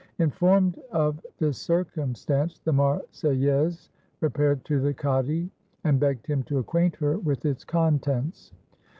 Informed of this circumstance, the Marseillaise repaired to the Cadi, and begged him to acquaint her with its contents.